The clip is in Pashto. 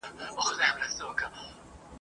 رومانونو، انځورونو او ولسي كيسو كي